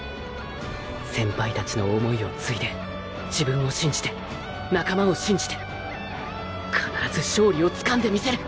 先輩達の想いを継いで自分を信じて仲間を信じて必ず勝利を掴んでみせる！